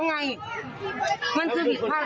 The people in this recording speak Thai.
มีใจมั้ยคุณสาย